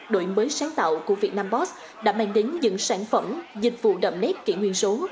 đội mới sáng tạo của việt nam post đã mang đến những sản phẩm dịch vụ đậm nét kiện nguyên số